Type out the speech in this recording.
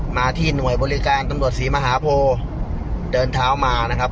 มาที่หน่วยบริการตำรวจศรีมหาโพเดินเท้ามานะครับ